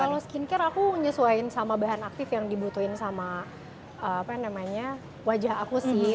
kalau skincare aku menyesuaikan sama bahan aktif yang dibutuhin sama wajah aku sih